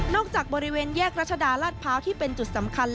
จากบริเวณแยกรัชดาลาดพร้าวที่เป็นจุดสำคัญ